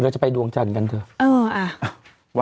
แล้วจะไปดวงจานกันเถอะ